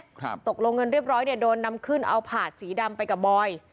ตกลงเงินเรียบร้อยเนี่ยโดนนำขึ้นเอาผาดสีดำไปกับบอย